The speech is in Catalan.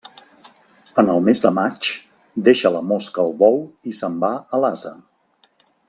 En el mes de maig, deixa la mosca el bou i se'n va a l'ase.